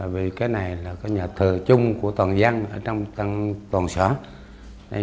vì cái này là cái nhà thờ chung của toàn dân ở trong toàn xã